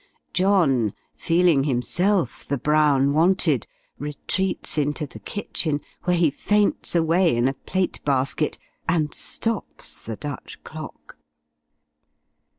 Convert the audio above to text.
John, feeling himself the Brown wanted, retreats into the kitchen, where he faints away, in a plate basket, and stops the Dutch clock.